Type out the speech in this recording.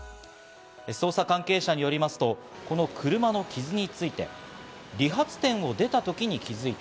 捜査関係者によりますと、この車の傷について理髪店を出た時に気づいた。